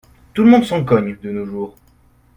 Tout le monde s’en cogne, de nos jours.